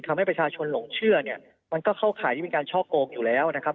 ทำให้ประชาชนหลงเชื่อเนี่ยมันก็เข้าข่ายที่เป็นการช่อโกงอยู่แล้วนะครับ